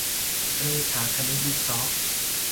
เรขาคณิตวิเคราะห์